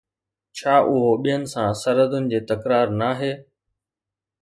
ڇا اهو ٻين سان سرحدن جي تڪرار نه آهي؟